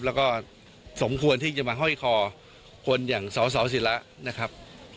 แล้วก็สมควรที่จะมาห้อยคอคนอย่างสสิระนะครับ